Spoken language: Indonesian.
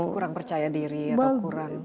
kurang percaya diri atau kurang